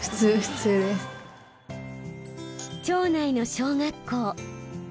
町内の小学校。